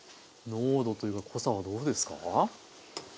濃度というか濃さはどうですか？